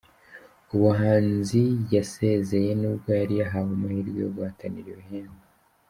Ubuhanzi yasezeye nubwo yari yahawe amahirwe yo guhatanira ibihembo